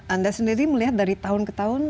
anda sendiri melihat dari tahun ke tahun